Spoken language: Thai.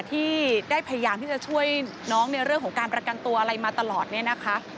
ที่ได้พยายามที่จะช่วยน้องในเรื่องของการประกันตัวอะไรมาตลอดเนี่ยนะคะ